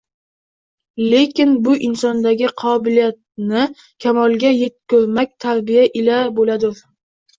Lekin bu insondagi qobiliyatni kamolga yetkurmak tarbiya ila bo’ladur